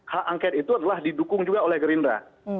hak angket itu adalah didukung juga oleh gerindra